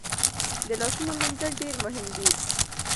د لاسونو مینځل ډیر مهم دي۔